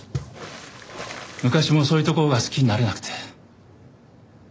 昔もそういうところが好きになれなくて。